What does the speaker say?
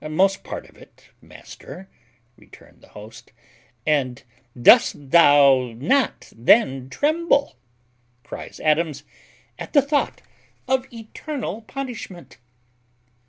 "Most part of it, master," returned the host. "And dost not thou then tremble," cries Adams, "at the thought of eternal punishment?"